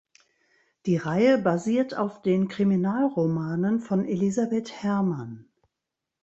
Die Reihe basiert auf den Kriminalromanen von Elisabeth Herrmann.